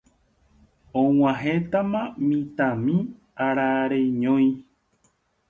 Og̃uahẽtamaha mitãmi arareñói